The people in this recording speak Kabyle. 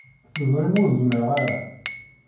Teẓrim ur zmireɣ ara.